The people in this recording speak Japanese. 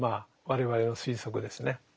我々の推測ですね。